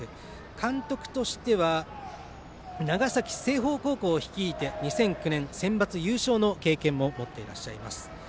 監督としては長崎、清峰高校を率いて２００９年、センバツ優勝の経験も持っていらっしゃいます。